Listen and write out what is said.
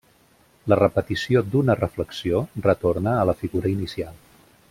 La repetició d'una reflexió, retorna a la figura inicial.